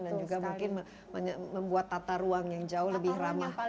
dan juga mungkin membuat tata ruang yang jauh lebih ramah